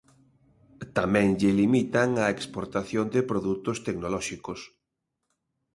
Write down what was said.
Tamén lle limitan a exportación de produtos tecnolóxicos.